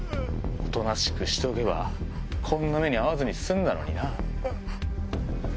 おとなしくしとけば、こんな目に遭わずに済んだのにな。